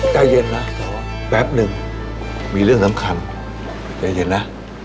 ใจเย็นนะขอแป๊บหนึ่งมีเรื่องสำคัญใจเย็นนะ